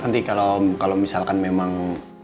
nanti kalau misalkan memang